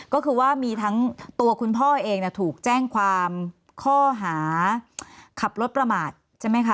ก็คือว่ามีทั้งตัวคุณพ่อเองถูกแจ้งความข้อหาขับรถประมาทใช่ไหมคะ